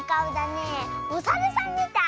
おさるさんみたい。